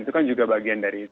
itu kan juga bagian dari